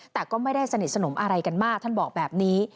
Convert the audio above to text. แต่ก็ไม่ได้สนิทสนมอะไรกันมากท่านบอกแบบนี้